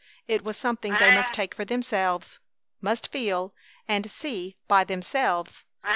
It was something they must take for themselves, must feel and see by themselves!